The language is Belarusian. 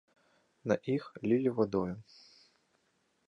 На іх лілі вадою.